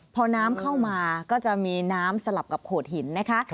พอน้ำเข้ามาก็จะมีน้ำสลับกับโขดหินนะคะ